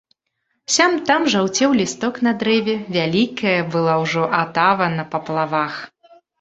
Сям-там жаўцеў лісток на дрэве, вялікая была ўжо атава на паплавах.